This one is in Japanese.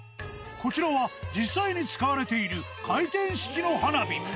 こちらは実際に使われている回転式の花火。